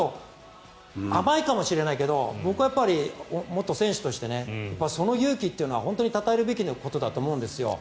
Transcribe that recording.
甘いかもしれないけど僕は元選手としてその勇気というのは本当にたたえるべきだと思うんですよ。